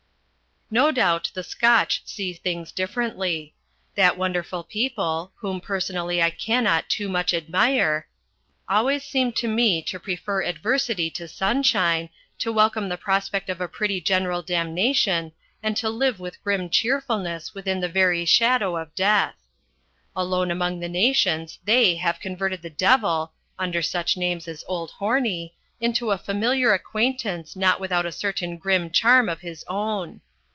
No doubt the Scotch see things differently. That wonderful people whom personally I cannot too much admire always seem to me to prefer adversity to sunshine, to welcome the prospect of a pretty general damnation, and to live with grim cheerfulness within the very shadow of death. Alone among the nations they have converted the devil under such names as Old Horny into a familiar acquaintance not without a certain grim charm of his own.